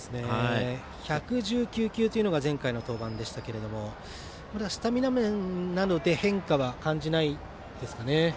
１１９球というのが前回の登板でしたけどもまだスタミナ面などで変化は感じないですね。